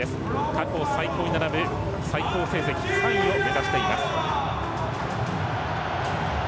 過去最高に並ぶ最高成績、３位を目指しています。